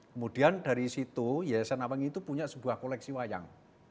kemudian dari situ yayasan nawangi itu punya sebuah koleksi wayang